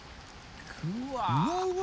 うわ。